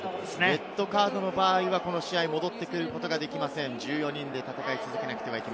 レッドカードの場合はこの試合に戻ってくることができません。